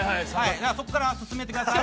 そこから進めてください。